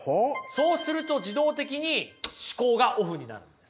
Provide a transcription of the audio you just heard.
そうすると自動的に思考がオフになるんです。